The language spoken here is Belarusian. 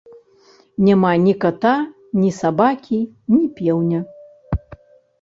Няма ні ката, ні сабакі, ні пеўня.